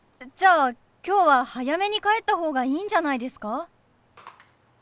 じゃあ今日は早めに帰った方がいいんじゃないですか？